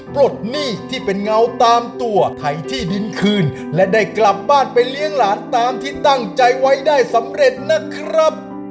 ปลดหนี้ที่เป็นเงาตามตัวไถที่ดินคืนและได้กลับบ้านไปเลี้ยงหลานตามที่ตั้งใจไว้ได้สำเร็จนะครับ